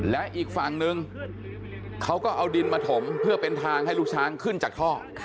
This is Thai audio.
และอีกฝั่งนึงเขาก็เอาดินมาถมเพื่อเป็นทางให้ลูกช้างขึ้นจากท่อ